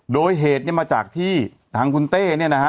โดยเหตุมาจากที่ทางคุณเต้นี่นะครับ